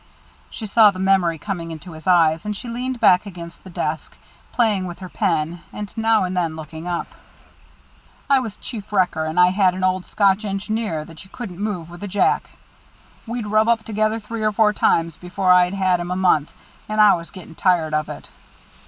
She saw the memory coming into his eyes, and she leaned back against the desk, playing with her pen, and now and then looking up. "I was chief wrecker, and I had an old Scotch engineer that you couldn't move with a jack. We'd rubbed up together three or four times before I'd had him a month, and I was getting tired of it.